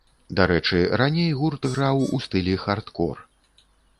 Дарэчы, раней гурт граў у стылі хардкор.